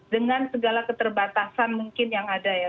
dengan segala keterbatasan mungkin yang ada ya